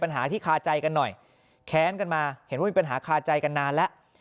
ปัญหาที่คาใจกันหน่อยแค้นกันมาเห็นว่ามีปัญหาคาใจกันนานแล้ว